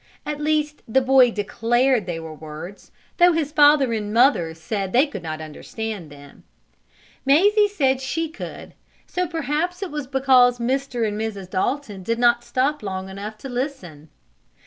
At least the boy declared they were words, though his father and mother said they could not understand them. Mazie said she could, so perhaps it was because Mr. and Mrs. Dalton did not stop long enough to listen.